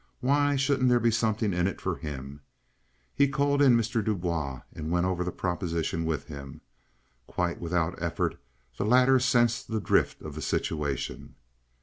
Why shouldn't there be something in it for him? He called in Mr. Du Bois and went over the proposition with him. Quite without effort the latter sensed the drift of the situation.